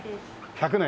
１００年？